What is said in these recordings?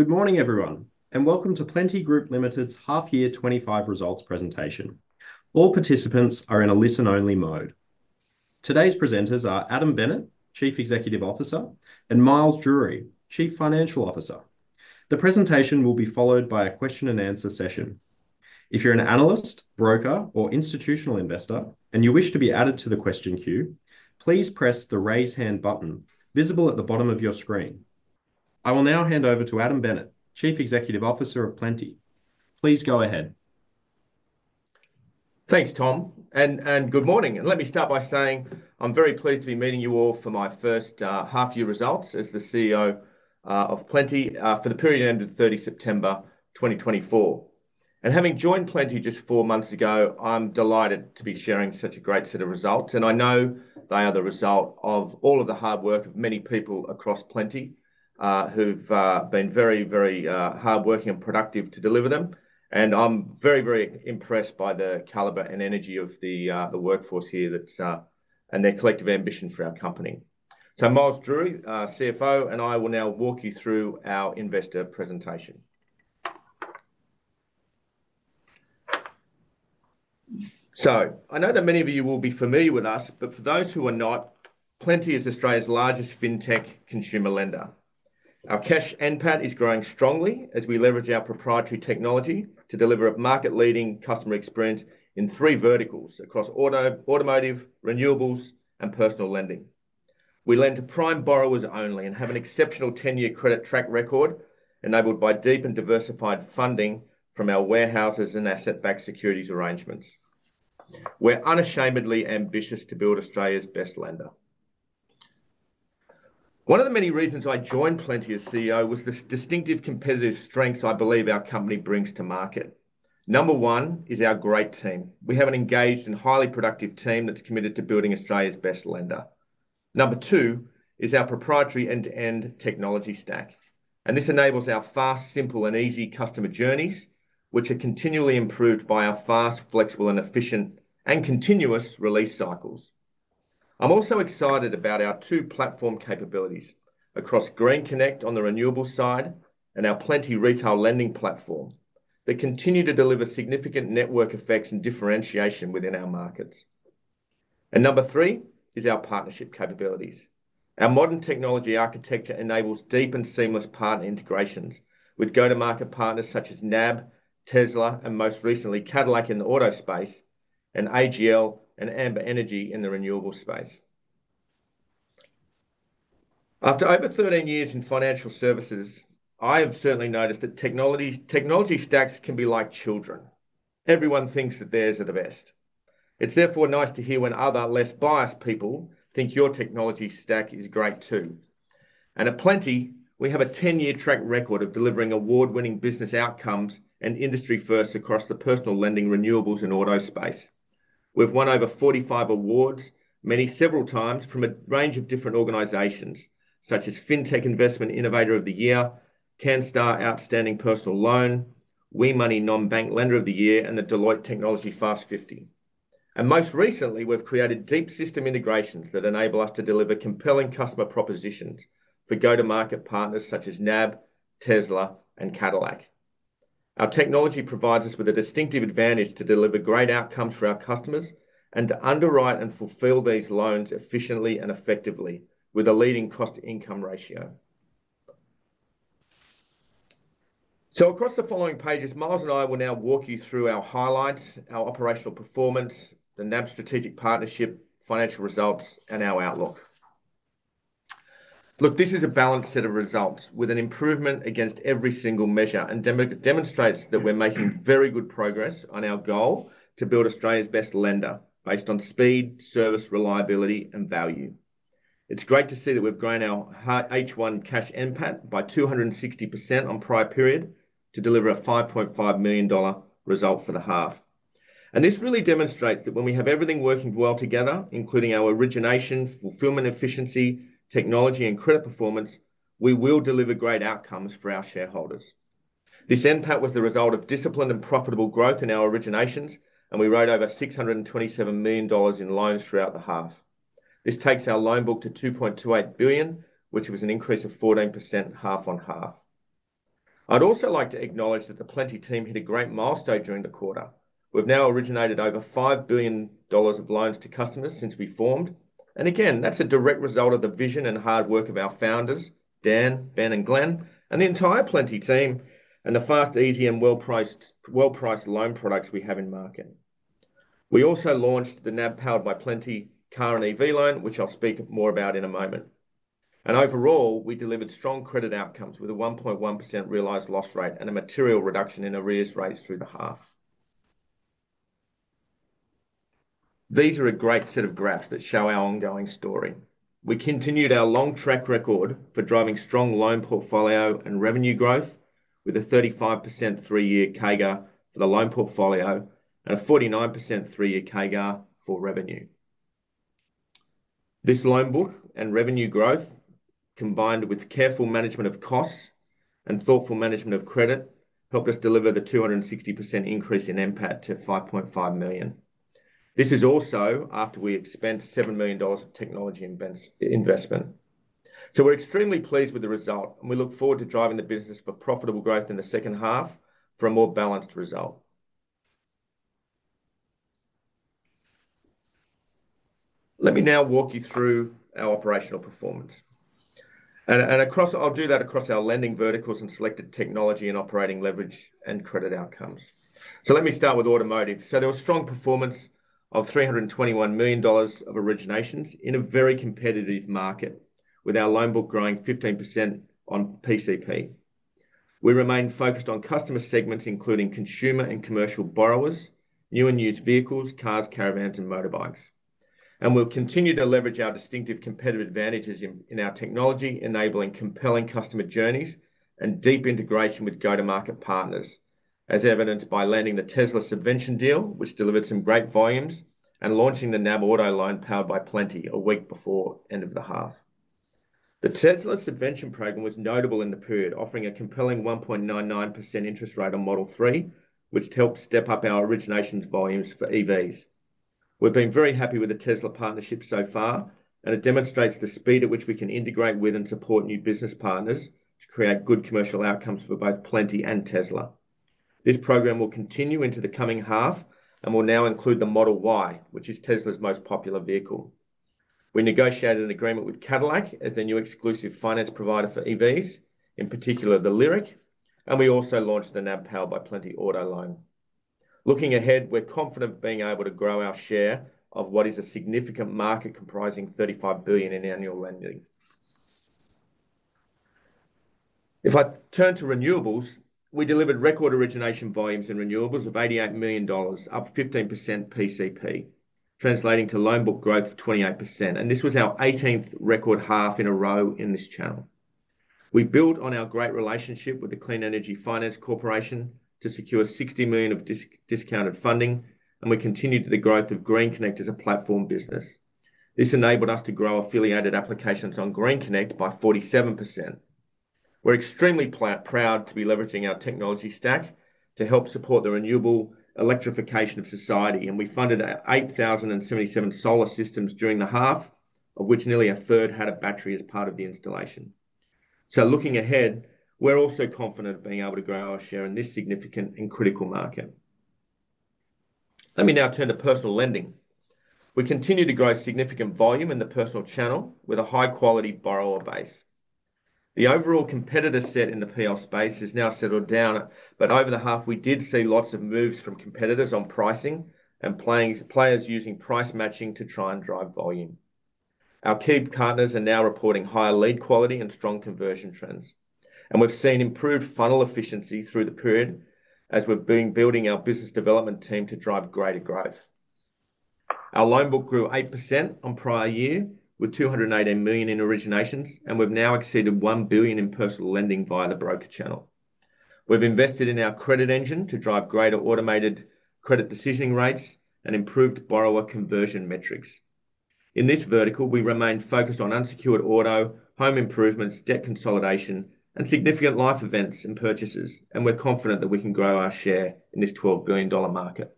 Good morning, everyone, and welcome to Plenti Group Limited's half-year 2025 results presentation. All participants are in a listen-only mode. Today's presenters are Adam Bennett, Chief Executive Officer, and Miles Drury, Chief Financial Officer. The presentation will be followed by a question-and-answer session. If you're an analyst, broker, or institutional investor, and you wish to be added to the question queue, please press the raise hand button visible at the bottom of your screen. I will now hand over to Adam Bennett, Chief Executive Officer of Plenti. Please go ahead. Thanks, Tom, and good morning. And let me start by saying I'm very pleased to be meeting you all for my first half-year results as the CEO of Plenti for the period ended 30 September 2024. And having joined Plenti just four months ago, I'm delighted to be sharing such a great set of results. And I know they are the result of all of the hard work of many people across Plenti who've been very, very hardworking and productive to deliver them. And I'm very, very impressed by the caliber and energy of the workforce here and their collective ambition for our company. So, Miles Drury, CFO, and I will now walk you through our investor presentation. So, I know that many of you will be familiar with us, but for those who are not, Plenti is Australia's largest fintech consumer lender. Our Cash NPAT is growing strongly as we leverage our proprietary technology to deliver a market-leading customer experience in three verticals across automotive, renewables, and personal lending. We lend to prime borrowers only and have an exceptional 10-year credit track record enabled by deep and diversified funding from our warehouses and asset-backed securities arrangements. We're unashamedly ambitious to build Australia's best lender. One of the many reasons I joined Plenti as CEO was the distinctive competitive strengths I believe our company brings to market. Number one is our great team. We have an engaged and highly productive team that's committed to building Australia's best lender. Number two is our proprietary end-to-end technology stack, and this enables our fast, simple, and easy customer journeys, which are continually improved by our fast, flexible, and efficient and continuous release cycles. I'm also excited about our two platform capabilities across GreenConnect on the renewable side and our Plenti retail lending platform that continue to deliver significant network effects and differentiation within our markets. And number three is our partnership capabilities. Our modern technology architecture enables deep and seamless partner integrations with go-to-market partners such as NAB, Tesla, and most recently, Cadillac in the auto space, and AGL and Amber Energy in the renewable space. After over 13 years in financial services, I have certainly noticed that technology stacks can be like children. Everyone thinks that theirs are the best. It's therefore nice to hear when other, less biased people think your technology stack is great too. And at Plenti, we have a 10-year track record of delivering award-winning business outcomes and industry-first across the personal lending, renewables, and auto space. We've won over 45 awards, many several times from a range of different organizations, such as FinTech Investment Innovator of the Year, Canstar Outstanding Personal Loan, WeMoney Non-Bank Lender of the Year, and the Deloitte Technology Fast 50, and most recently, we've created deep system integrations that enable us to deliver compelling customer propositions for go-to-market partners such as NAB, Tesla, and Cadillac. Our technology provides us with a distinctive advantage to deliver great outcomes for our customers and to underwrite and fulfill these loans efficiently and effectively with a leading cost-to-income ratio, so across the following pages, Miles and I will now walk you through our highlights, our operational performance, the NAB strategic partnership, financial results, and our outlook. Look, this is a balanced set of results with an improvement against every single measure and demonstrates that we're making very good progress on our goal to build Australia's best lender based on speed, service, reliability, and value. It's great to see that we've grown our H1 Cash NPAT by 260% on prior period to deliver a 5.5 million dollar result for the half. This really demonstrates that when we have everything working well together, including our origination, fulfillment efficiency, technology, and credit performance, we will deliver great outcomes for our shareholders. This NPAT was the result of disciplined and profitable growth in our originations, and we wrote over 627 million dollars in loans throughout the half. This takes our loan book to 2.28 billion, which was an increase of 14% half-on-half. I'd also like to acknowledge that the Plenti team hit a great milestone during the quarter. We've now originated over 5 billion dollars of loans to customers since we formed. Again, that's a direct result of the vision and hard work of our founders, Dan, Ben, and Glenn, and the entire Plenti team and the fast, easy, and well-priced loan products we have in market. We also launched the NAB-powered by Plenti car and EV loan, which I'll speak more about in a moment. Overall, we delivered strong credit outcomes with a 1.1% realized loss rate and a material reduction in arrears rates through the half. These are a great set of graphs that show our ongoing story. We continued our long track record for driving strong loan portfolio and revenue growth with a 35% three-year CAGR for the loan portfolio and a 49% three-year CAGR for revenue. This loan book and revenue growth, combined with careful management of costs and thoughtful management of credit, helped us deliver the 260% increase in NPAT to 5.5 million. This is also after we expended 7 million dollars of technology investment. We're extremely pleased with the result, and we look forward to driving the business for profitable growth in the second half for a more balanced result. Let me now walk you through our operational performance, and I'll do that across our lending verticals and selected technology and operating leverage and credit outcomes. Let me start with automotive. There was strong performance of 321 million dollars of originations in a very competitive market with our loan book growing 15% on PCP. We remain focused on customer segments, including consumer and commercial borrowers, new and used vehicles, cars, caravans, and motorbikes. And we'll continue to leverage our distinctive competitive advantages in our technology, enabling compelling customer journeys and deep integration with go-to-market partners, as evidenced by landing the Tesla subvention deal, which delivered some great volumes, and launching the NAB auto loan powered by Plenti a week before the end of the half. The Tesla subvention program was notable in the period, offering a compelling 1.99% interest rate on Model 3, which helped step up our originations volumes for EVs. We've been very happy with the Tesla partnership so far, and it demonstrates the speed at which we can integrate with and support new business partners to create good commercial outcomes for both Plenti and Tesla. This program will continue into the coming half and will now include the Model Y, which is Tesla's most popular vehicle. We negotiated an agreement with Cadillac as the new exclusive finance provider for EVs, in particular the Lyriq, and we also launched the NAB-powered by Plenti auto loan. Looking ahead, we're confident of being able to grow our share of what is a significant market comprising 35 billion in annual lending. If I turn to renewables, we delivered record origination volumes in renewables of 88 million dollars, up 15% PCP, translating to loan book growth of 28%, and this was our 18th record half in a row in this channel. We built on our great relationship with the Clean Energy Finance Corporation to secure 60 million of discounted funding, and we continued the growth of GreenConnect as a platform business. This enabled us to grow affiliated applications on GreenConnect by 47%. We're extremely proud to be leveraging our technology stack to help support the renewable electrification of society, and we funded 8,077 solar systems during the half, of which nearly a third had a battery as part of the installation. Looking ahead, we're also confident of being able to grow our share in this significant and critical market. Let me now turn to personal lending. We continue to grow significant volume in the personal channel with a high-quality borrower base. The overall competitor set in the PL space is now settled down, but over the half, we did see lots of moves from competitors on pricing and players using price matching to try and drive volume. Our key partners are now reporting higher lead quality and strong conversion trends. We've seen improved funnel efficiency through the period as we've been building our business development team to drive greater growth. Our loan book grew 8% on prior year with 218 million in originations, and we've now exceeded 1 billion in personal lending via the broker channel. We've invested in our credit engine to drive greater automated credit decisioning rates and improved borrower conversion metrics. In this vertical, we remain focused on unsecured auto, home improvements, debt consolidation, and significant life events and purchases, and we're confident that we can grow our share in this 12 billion dollar market.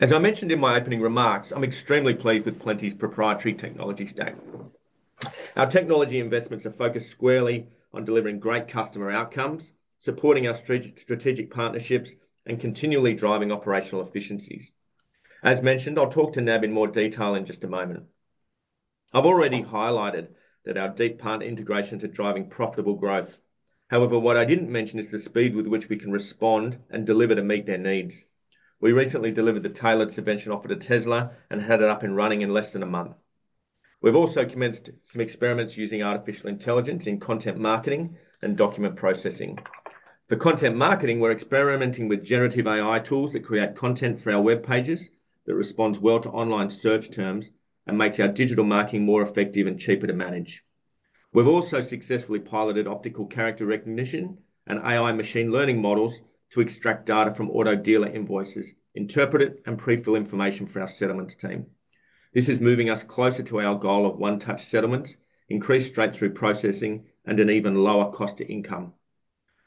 As I mentioned in my opening remarks, I'm extremely pleased with Plenti's proprietary technology stack. Our technology investments are focused squarely on delivering great customer outcomes, supporting our strategic partnerships, and continually driving operational efficiencies. As mentioned, I'll talk to NAB in more detail in just a moment. I've already highlighted that our deep partner integrations are driving profitable growth. However, what I didn't mention is the speed with which we can respond and deliver to meet their needs. We recently delivered the tailored subvention offer to Tesla and had it up and running in less than a month. We've also commenced some experiments using artificial intelligence in content marketing and document processing. For content marketing, we're experimenting with generative AI tools that create content for our web pages that responds well to online search terms and makes our digital marketing more effective and cheaper to manage. We've also successfully piloted optical character recognition and AI machine learning models to extract data from auto dealer invoices, interpret it, and prefill information for our settlement team. This is moving us closer to our goal of one-touch settlements, increased straight-through processing, and an even lower cost to income.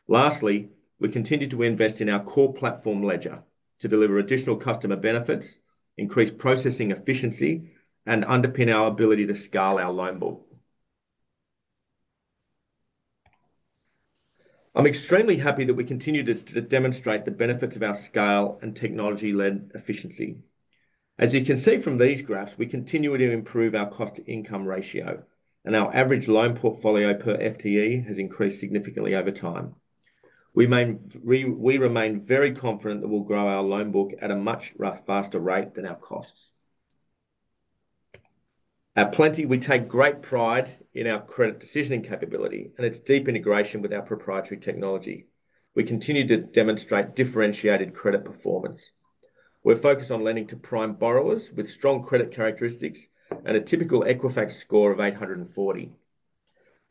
Lastly, we continue to invest in our core platform ledger to deliver additional customer benefits, increase processing efficiency, and underpin our ability to scale our loan book. I'm extremely happy that we continue to demonstrate the benefits of our scale and technology-led efficiency. As you can see from these graphs, we continue to improve our cost-to-income ratio, and our average loan portfolio per FTE has increased significantly over time. We remain very confident that we'll grow our loan book at a much faster rate than our costs. At Plenti, we take great pride in our credit decisioning capability and its deep integration with our proprietary technology. We continue to demonstrate differentiated credit performance. We're focused on lending to prime borrowers with strong credit characteristics and a typical Equifax score of 840.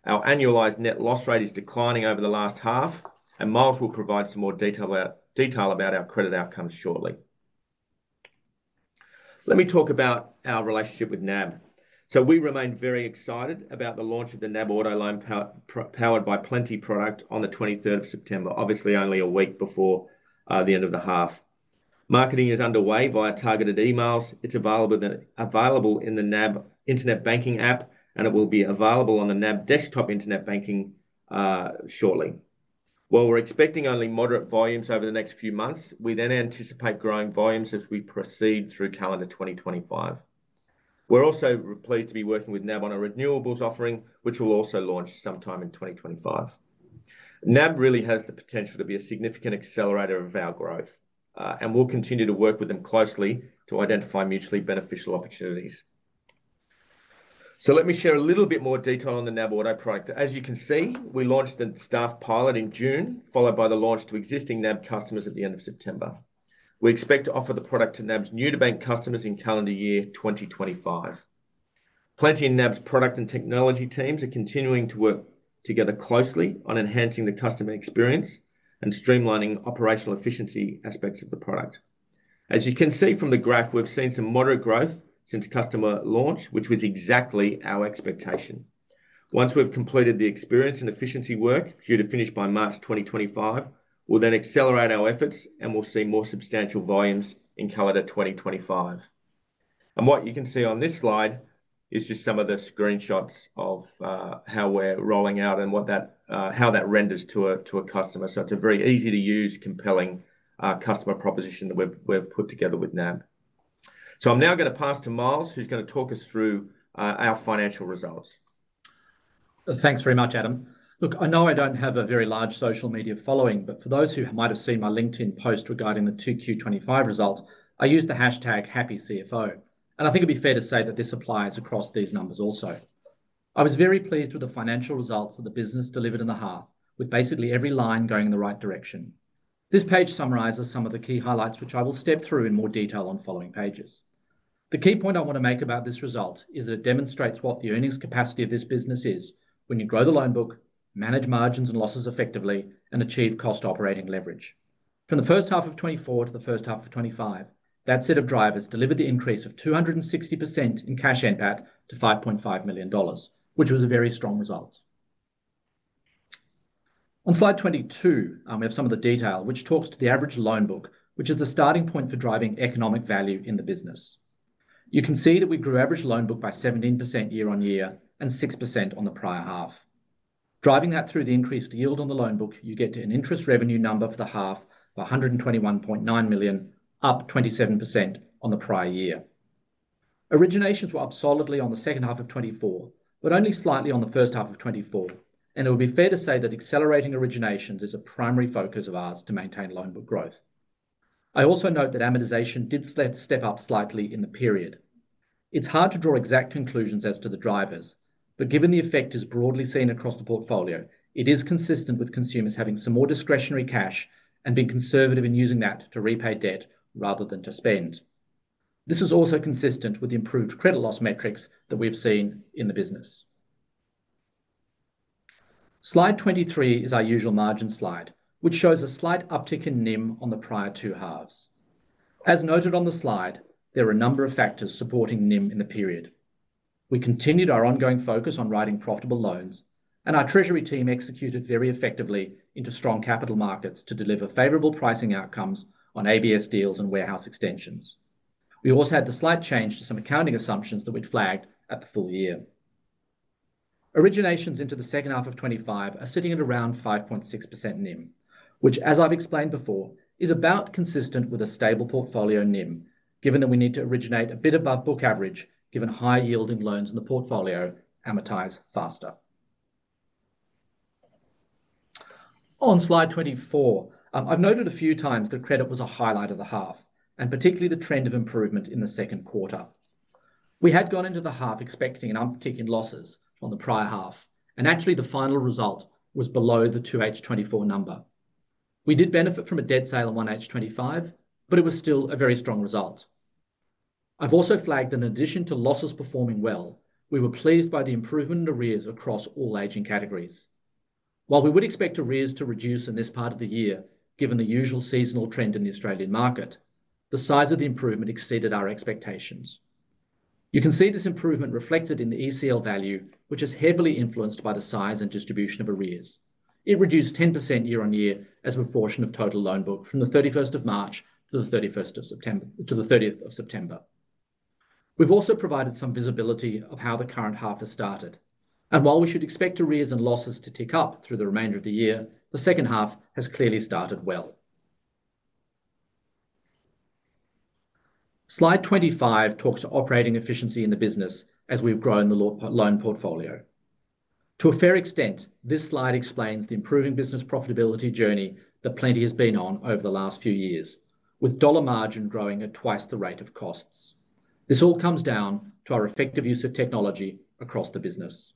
Our annualized net loss rate is declining over the last half, and Miles will provide some more detail about our credit outcomes shortly. Let me talk about our relationship with NAB. So, we remain very excited about the launch of the NAB auto loan powered by Plenti product on the 23rd of September, obviously only a week before the end of the half. Marketing is underway via targeted emails. It's available in the NAB internet banking app, and it will be available on the NAB desktop internet banking shortly. While we're expecting only moderate volumes over the next few months, we then anticipate growing volumes as we proceed through calendar 2025. We're also pleased to be working with NAB on a renewables offering, which will also launch sometime in 2025. NAB really has the potential to be a significant accelerator of our growth, and we'll continue to work with them closely to identify mutually beneficial opportunities, so let me share a little bit more detail on the NAB auto product. As you can see, we launched a staff pilot in June, followed by the launch to existing NAB customers at the end of September. We expect to offer the product to NAB's new-to-bank customers in calendar year 2025. Plenti and NAB's product and technology teams are continuing to work together closely on enhancing the customer experience and streamlining operational efficiency aspects of the product. As you can see from the graph, we've seen some moderate growth since customer launch, which was exactly our expectation. Once we've completed the experience and efficiency work due to finish by March 2025, we'll then accelerate our efforts, and we'll see more substantial volumes in calendar 2025. And what you can see on this slide is just some of the screenshots of how we're rolling out and what that renders to a customer. So, it's a very easy-to-use, compelling customer proposition that we've put together with NAB. So, I'm now going to pass to Miles, who's going to talk us through our financial results. Thanks very much, Adam. Look, I know I don't have a very large social media following, but for those who might have seen my LinkedIn post regarding the 2Q 2025 results, I used the hashtag #happycfo. And I think it'd be fair to say that this applies across these numbers also. I was very pleased with the financial results of the business delivered in the half, with basically every line going in the right direction. This page summarizes some of the key highlights, which I will step through in more detail on following pages. The key point I want to make about this result is that it demonstrates what the earnings capacity of this business is when you grow the loan book, manage margins and losses effectively, and achieve cost operating leverage. From the first half of 2024 to the first half of 2025, that set of drivers delivered the increase of 260% in cash NPAT to 5.5 million dollars, which was a very strong result. On Slide 22, we have some of the detail, which talks to the average loan book, which is the starting point for driving economic value in the business. You can see that we grew average loan book by 17% year-on-year and 6% on the prior half. Driving that through the increased yield on the loan book, you get an interest revenue number for the half of 121.9 million, up 27% on the prior year. Originations were up solidly on the second half of 2024, but only slightly on the first half of 2024. And it would be fair to say that accelerating originations is a primary focus of ours to maintain loan book growth. I also note that amortization did step up slightly in the period. It's hard to draw exact conclusions as to the drivers, but given the effect is broadly seen across the portfolio, it is consistent with consumers having some more discretionary cash and being conservative in using that to repay debt rather than to spend. This is also consistent with the improved credit loss metrics that we've seen in the business. Slide 23 is our usual margin slide, which shows a slight uptick in NIM on the prior two halves. As noted on the slide, there are a number of factors supporting NIM in the period. We continued our ongoing focus on writing profitable loans, and our treasury team executed very effectively into strong capital markets to deliver favorable pricing outcomes on ABS deals and warehouse extensions. We also had the slight change to some accounting assumptions that we'd flagged at the full year. Originations into the second half of 2025 are sitting at around 5.6% NIM, which, as I've explained before, is about consistent with a stable portfolio NIM, given that we need to originate a bit above book average, given high-yielding loans in the portfolio amortize faster. On Slide 24, I've noted a few times that credit was a highlight of the half, and particularly the trend of improvement in the second quarter. We had gone into the half expecting an uptick in losses on the prior half, and actually the final result was below the 2H 2024 number. We did benefit from a debt sale in 1H 2025, but it was still a very strong result. I've also flagged that in addition to losses performing well, we were pleased by the improvement in arrears across all aging categories. While we would expect arrears to reduce in this part of the year, given the usual seasonal trend in the Australian market, the size of the improvement exceeded our expectations. You can see this improvement reflected in the ECL value, which is heavily influenced by the size and distribution of arrears. It reduced 10% year-on-year as a proportion of total loan book from the 31st of March to the 30th of September. We've also provided some visibility of how the current half has started. And while we should expect arrears and losses to tick up through the remainder of the year, the second half has clearly started well. Slide 25 talks to operating efficiency in the business as we've grown the loan portfolio. To a fair extent, this slide explains the improving business profitability journey that Plenti has been on over the last few years, with dollar margin growing at twice the rate of costs. This all comes down to our effective use of technology across the business.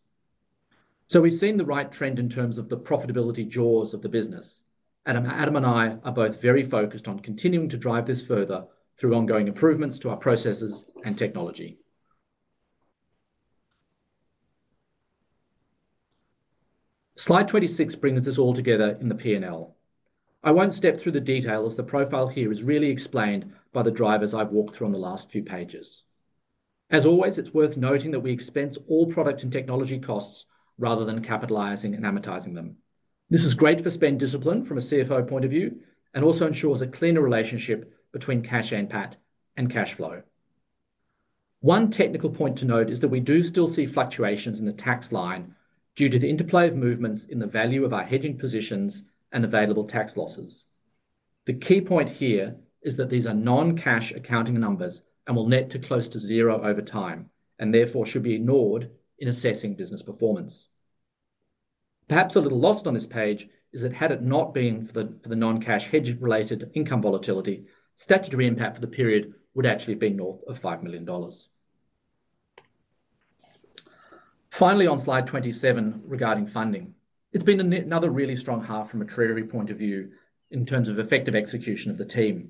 So, we've seen the right trend in terms of the profitability jaws of the business. Adam and I are both very focused on continuing to drive this further through ongoing improvements to our processes and technology. Slide 26 brings this all together in the P&L. I won't step through the details as the profile here is really explained by the drivers I've walked through on the last few pages. As always, it's worth noting that we expense all product and technology costs rather than capitalizing and amortizing them. This is great for spend discipline from a CFO point of view and also ensures a cleaner relationship between cash NPAT and cash flow. One technical point to note is that we do still see fluctuations in the tax line due to the interplay of movements in the value of our hedging positions and available tax losses. The key point here is that these are non-cash accounting numbers and will net to close to zero over time and therefore should be ignored in assessing business performance. Perhaps a little lost on this page is that had it not been for the non-cash hedge-related income volatility, statutory impact for the period would actually have been north of 5 million dollars. Finally, on Slide 27 regarding funding, it's been another really strong half from a treasury point of view in terms of effective execution of the team.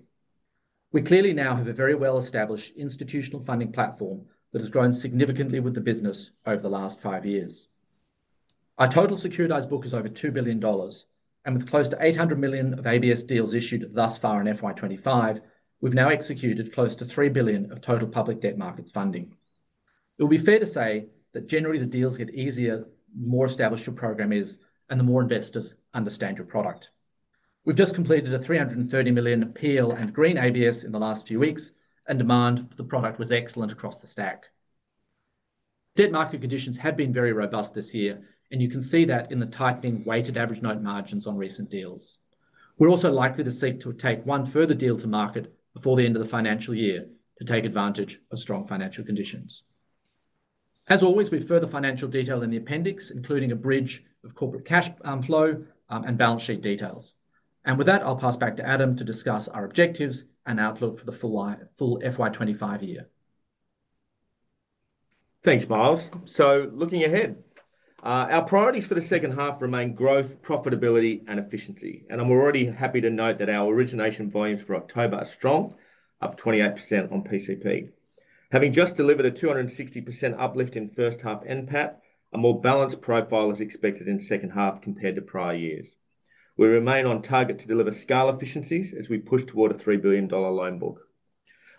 We clearly now have a very well-established institutional funding platform that has grown significantly with the business over the last five years. Our total securitized book is over 2 billion dollars, and with close to 800 million of ABS deals issued thus far in FY 2025, we've now executed close to 3 billion of total public debt markets funding. It will be fair to say that generally the deals get easier the more established your program is and the more investors understand your product. We've just completed a 330 million PL and green ABS in the last few weeks, and demand for the product was excellent across the stack. Debt market conditions have been very robust this year, and you can see that in the tightening weighted average note margins on recent deals. We're also likely to seek to take one further deal to market before the end of the financial year to take advantage of strong financial conditions. As always, we've further financial detail in the appendix, including a bridge of corporate cash flow and balance sheet details. And with that, I'll pass back to Adam to discuss our objectives and outlook for the full FY 2025 year. Thanks, Miles. So, looking ahead, our priorities for the second half remain growth, profitability, and efficiency. And I'm already happy to note that our origination volumes for October are strong, up 28% on PCP. Having just delivered a 260% uplift in first half NPAT, a more balanced profile is expected in the second half compared to prior years. We remain on target to deliver scale efficiencies as we push toward a 3 billion dollar loan book.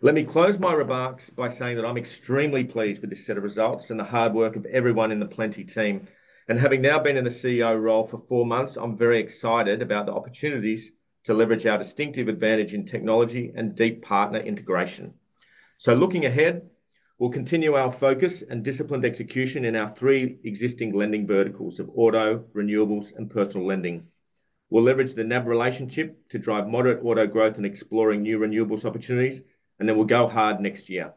Let me close my remarks by saying that I'm extremely pleased with this set of results and the hard work of everyone in the Plenti team. And having now been in the CEO role for four months, I'm very excited about the opportunities to leverage our distinctive advantage in technology and deep partner integration. So, looking ahead, we'll continue our focus and disciplined execution in our three existing lending verticals of auto, renewables, and personal lending. We'll leverage the NAB relationship to drive moderate auto growth and exploring new renewables opportunities, and then we'll go hard next year.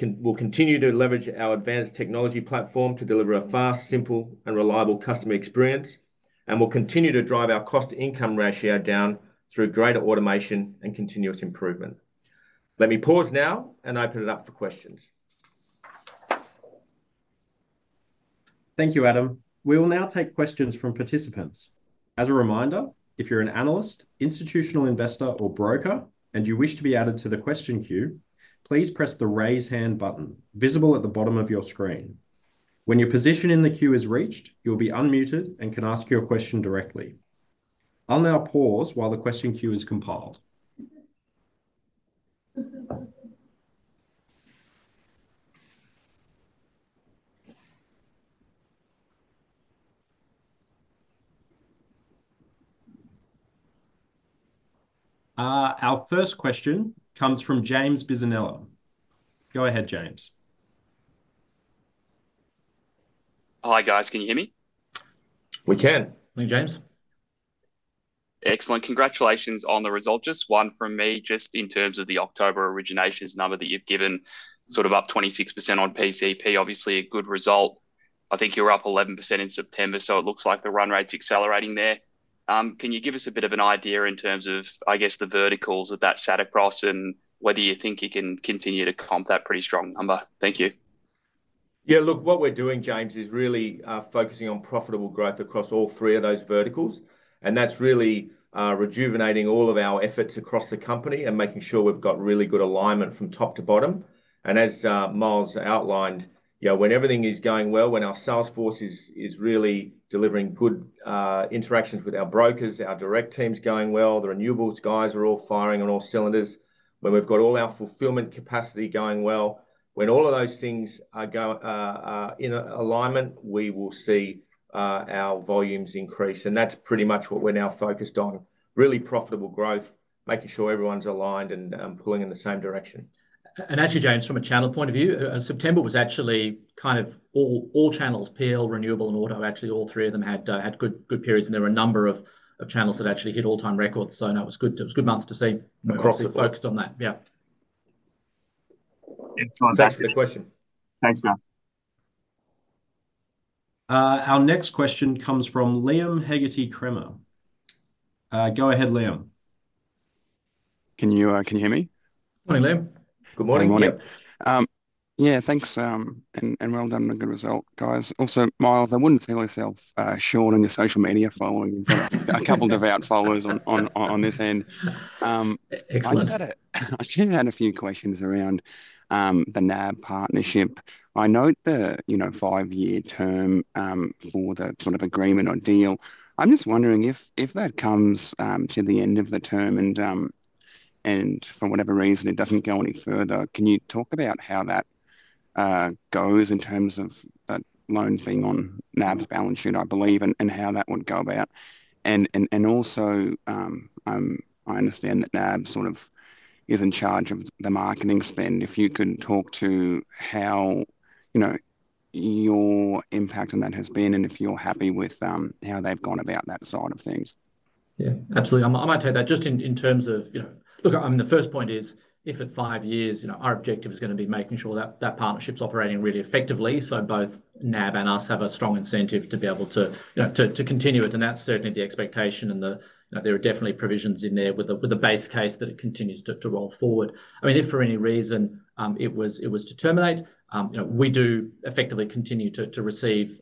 We'll continue to leverage our advanced technology platform to deliver a fast, simple, and reliable customer experience, and we'll continue to drive our cost-to-income ratio down through greater automation and continuous improvement. Let me pause now and open it up for questions. Thank you, Adam. We will now take questions from participants. As a reminder, if you're an analyst, institutional investor, or broker, and you wish to be added to the question queue, please press the raise hand button visible at the bottom of your screen. When your position in the queue is reached, you'll be unmuted and can ask your question directly. I'll now pause while the question queue is compiled. Our first question comes from James Bisinella. Go ahead, James. Hi, guys. Can you hear me? We can. Thanks, James. Excellent. Congratulations on the result. Just one from me just in terms of the October originations number that you've given, sort of up 26% on PCP. Obviously, a good result. I think you're up 11% in September, so it looks like the run rate's accelerating there. Can you give us a bit of an idea in terms of, I guess, the verticals that that sort of across and whether you think you can continue to comp that pretty strong number? Thank you. Yeah, look, what we're doing, James, is really focusing on profitable growth across all three of those verticals. And that's really rejuvenating all of our efforts across the company and making sure we've got really good alignment from top to bottom. As Miles outlined, when everything is going well, when our sales force is really delivering good interactions with our brokers, our direct team's going well, the renewables guys are all firing on all cylinders, when we've got all our fulfillment capacity going well, when all of those things are in alignment, we will see our volumes increase. That's pretty much what we're now focused on: really profitable growth, making sure everyone's aligned and pulling in the same direction. Actually, James, from a channel point of view, September was actually kind of all channels: PL, renewable, and auto. Actually, all three of them had good periods. There were a number of channels that actually hit all-time records. So that was a good month to see, focused on that. Yeah. Excellent. That's the question. Thanks, guys. Our next question comes from Liam Haget-Kremer. Go ahead, Liam. Can you hear me? Morning, Liam. Good morning. Good morning. Yeah, thanks. And well done and good result, guys. Also, Miles, I wouldn't see myself shorting your social media following a couple of thousand followers on this end. Excellent. I just had a few questions around the NAB partnership. I note the five-year term for the sort of agreement or deal. I'm just wondering if that comes to the end of the term and for whatever reason it doesn't go any further, can you talk about how that goes in terms of loans being on NAB's balance sheet, I believe, and how that would go about? And also, I understand that NAB sort of is in charge of the marketing spend. If you could talk to how your impact on that has been and if you're happy with how they've gone about that side of things. Yeah, absolutely. I might take that just in terms of, look, I mean, the first point is, if at five years, our objective is going to be making sure that partnership's operating really effectively, so both NAB and us have a strong incentive to be able to continue it. And that's certainly the expectation. And there are definitely provisions in there with a base case that it continues to roll forward. I mean, if for any reason it was to terminate, we do effectively continue to receive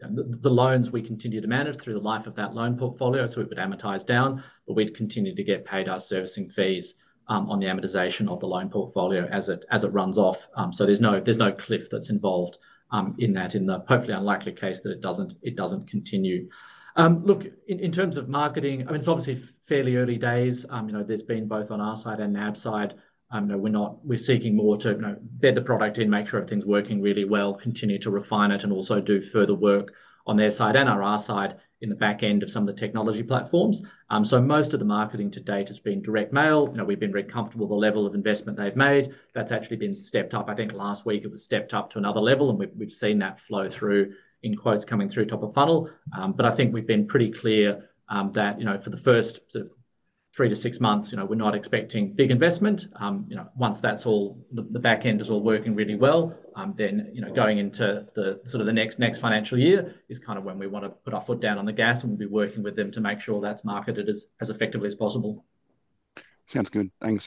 the loans we continue to manage through the life of that loan portfolio. So we would amortize down, but we'd continue to get paid our servicing fees on the amortization of the loan portfolio as it runs off. So there's no cliff that's involved in that, in the hopefully unlikely case that it doesn't continue. Look, in terms of marketing, I mean, it's obviously fairly early days. There's been both on our side and NAB side. We're seeking more to bed the product in, make sure everything's working really well, continue to refine it, and also do further work on their side and our side in the back end of some of the technology platforms. So most of the marketing to date has been direct mail. We've been very comfortable with the level of investment they've made. That's actually been stepped up. I think last week it was stepped up to another level, and we've seen that flow through in quotes coming through top of funnel. But I think we've been pretty clear that for the first sort of three to six months, we're not expecting big investment. Once the back end is all working really well, then going into sort of the next financial year is kind of when we want to put our foot down on the gas, and we'll be working with them to make sure that's marketed as effectively as possible. Sounds good. Thanks.